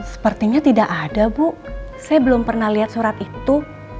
sepertinya tidak ada bu saya belum pernah lihat surat itu